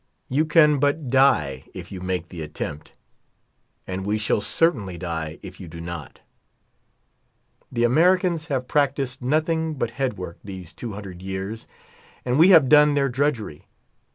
You can but die, if you make the attempt ; and we shall certainl}' die if 3'ou do not. The Americans have practiced nothing but head work these 200 \'ears, and we have done their drudgery.